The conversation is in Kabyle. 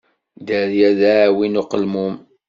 Dderya d aɛwin uqelmun.